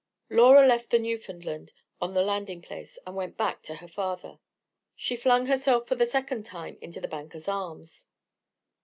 Laura left the Newfoundland on the landing place, and went back to her father. She flung herself for the second time into the banker's arms.